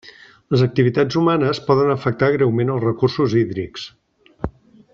Les activitats humanes poden afectar greument els recursos hídrics.